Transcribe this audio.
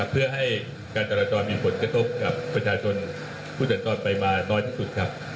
เพื่อให้การจัดละจอดมีผลกระทบกับประชาชนผู้จัดละจอดไปมาน้อยที่สุด